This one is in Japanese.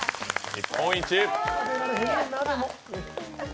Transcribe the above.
日本一！